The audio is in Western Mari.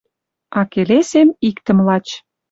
А келесем иктӹм лач: